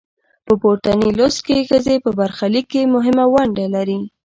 په پورتني لوست کې ښځې په برخلیک کې مهمه نډه لري.